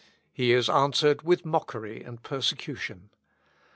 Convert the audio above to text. He is answered with mockery and persecution.